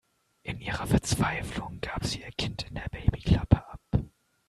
In ihrer Verzweiflung gab sie ihr Kind in der Babyklappe ab.